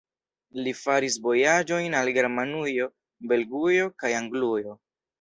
Li faris vojaĝojn al Germanujo, Belgujo kaj Anglujo.